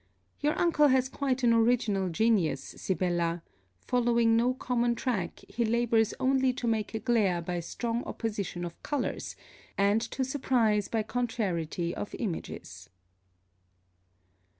Your uncle has quite an original genius, Sibella; following no common track, he labours only to make a glare by strong opposition of colours, and to surprise by contrariety of images.